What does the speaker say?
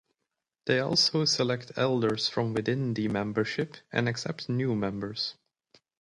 They also select elders from within the membership and accept new members.